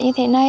như thế này